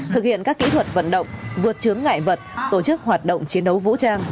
thực hiện các kỹ thuật vận động vượt trướng ngại vật tổ chức hoạt động chiến đấu vũ trang